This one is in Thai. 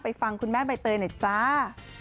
ฟังคุณแม่ใบเตยหน่อยจ้า